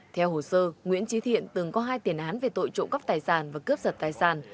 theo hồ sơ nguyễn trí thiện từng có hai tiền án về tội trộm cắp tài sản và cướp giật tài sản